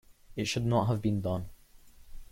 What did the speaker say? It should not have been done.